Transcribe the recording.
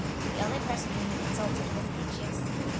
The only person whom he consulted was Heinsius.